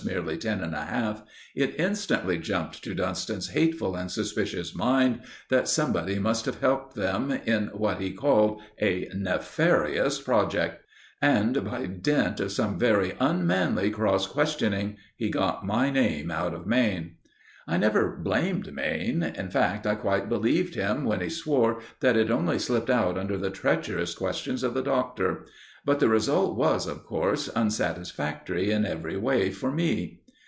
merely ten and a half, it instantly jumped to Dunston's hateful and suspicious mind that somebody must have helped them in what he called a "nefarious project." And, by dint of some very unmanly cross questioning, he got my name out of Mayne. I never blamed Mayne; in fact, I quite believed him when he swore that it only slipped out under the treacherous questions of the Doctor; but the result was, of course, unsatisfactory in every way for me.